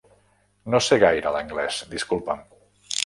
No sé gaire l'anglés, disculpa'm.